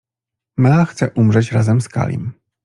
— Mea chce umrzeć razem z Kalim.